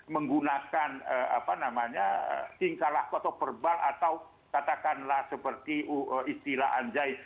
menggunakan apa namanya tingkah laku atau perbal atau katakanlah seperti istilah anjai